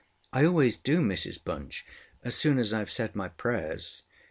ŌĆØ ŌĆ£I always do, Mrs Bunch, as soon as IŌĆÖve said my prayers.